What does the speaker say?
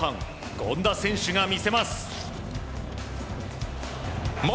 権田選手が見せます。